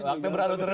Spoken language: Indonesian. waktu berlalu terus